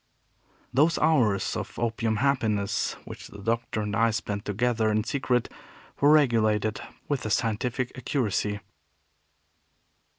Those hours of opium happiness which the Doctor and I spent together in secret were regulated with a scientific accuracy.